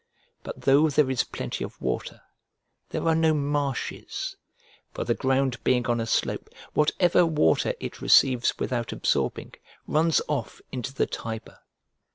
But though there is plenty of water, there are no marshes; for the ground being on a slope, whatever water it receives without absorbing runs off into the Tiber.